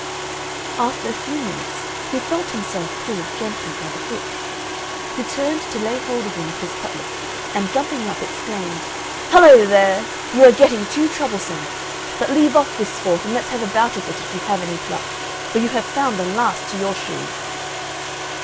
After a few minutes he felt himself pulled gently by the foot. He turned to lay hold again of his cutlass, and jumping up, exclaimed, "Hollo there! you are getting too troublesome; but leave off this sport and let's have a bout of it if you have any pluck, for you have found the last to your shoe!"